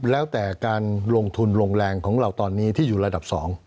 แล้วแต่การลงทุนลงแรงของเราตอนนี้ที่อยู่ระดับ๒